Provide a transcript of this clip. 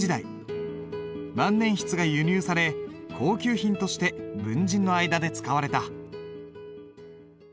万年筆が輸入され高級品として文人の間で使われた。